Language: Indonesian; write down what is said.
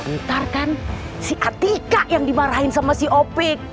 ntar kan si atika yang dimarahin sama si opik